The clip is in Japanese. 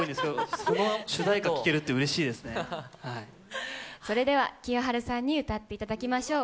その主題歌を聞けるって、それでは、清春さんに歌っていただきましょう。